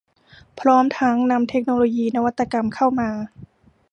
พร้อมทั้งนำเทคโนโลยีนวัตกรรมเข้ามา